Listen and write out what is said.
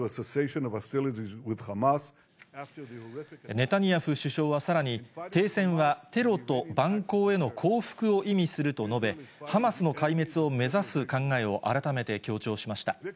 ネタニヤフ首相はさらに、停戦はテロと蛮行への降伏を意味すると述べ、ハマスの壊滅を目指す考えを改めて強調しました。